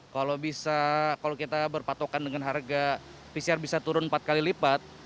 kalau bisa kalau kita berpatokan dengan harga pcr bisa turun empat kali lipat